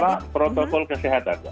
misalnya protokol kesehatan